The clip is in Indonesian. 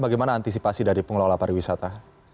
bagaimana antisipasi dari pengelola pariwisata